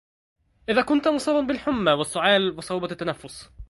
إذا كنت مصاباً بالحمى والسعال وصعوبة التنفس